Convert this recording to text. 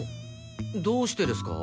どうしてですか？